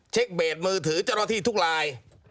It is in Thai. เช็กเบจมือถือเจ้าล้อที่ทุกลาย